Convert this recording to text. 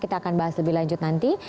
kita akan bahas lebih lanjut nanti